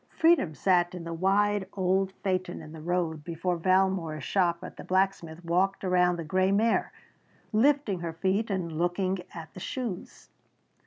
Freedom sat in the wide old phaeton in the road before Valmore's shop as the blacksmith walked around the grey mare, lifting her feet and looking at the shoes.